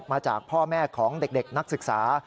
มาจากพ่อแม่ของเด็กนักศึกษา